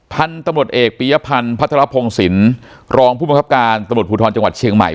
พันธุ์ตำรวจเอกปียพันธ์พัทรพงศิลป์รองผู้บังคับการตำรวจภูทรจังหวัดเชียงใหม่